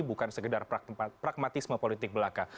bukan sekedar pragmatisme politik belaka